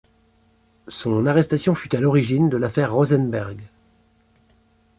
Son arrestation fut à l'origine de l'affaire Rosenberg.